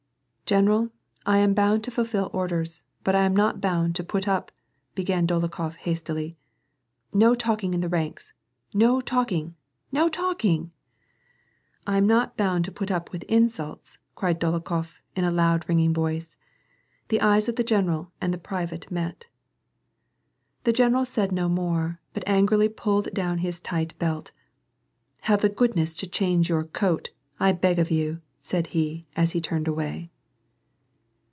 " General, I am bound to fulfil orders, but I am not bound to put up "— began Dolokhof, hastily. " No talking in the ranks ! No talking, no talking !"" I am not bound to put up with insults," cried Dolokhof, in a loud, ringing voice. The eyes of the general and the private met. The general said no more, but angrily pulled down his tight belt. " Have the goodness to change your coat, I beg of you," said he, as he turned away.